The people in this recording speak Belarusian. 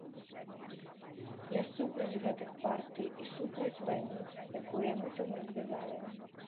Я супраць гэтых партый і супраць вайны, якую яны там развязалі.